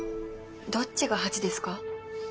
どっちが８ですか？